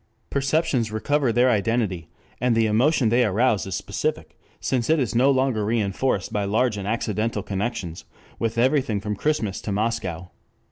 Perceptions recover their identity, and the emotion they arouse is specific, since it is no longer reinforced by large and accidental connections with everything from Christmas to Moscow.